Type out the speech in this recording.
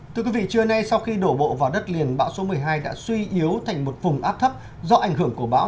thưa quý vị trưa nay sau khi đổ bộ vào đất liền bão số một mươi hai đã suy yếu thành một vùng áp thấp do ảnh hưởng của bão